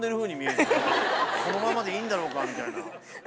「このままでいいんだろうか」みたいな。